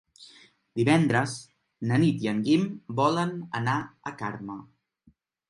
Divendres na Nit i en Guim volen anar a Carme.